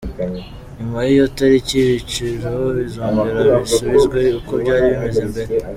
Nyuma y’iyo tariki, ibiciro bizongera bisubizwe uko byari bimeze mbere.